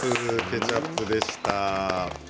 ケチャップでした。